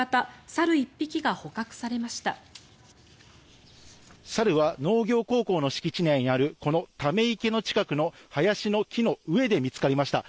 猿は農業高校の敷地内にあるこのため池の近くの林の木の上で見つかりました。